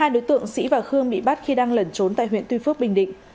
hai đối tượng sĩ và khương bị bắt khi đang lẩn trốn tại huyện tuy phước bình định